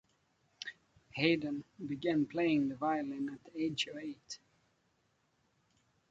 Haydn began playing the violin at the age of eight.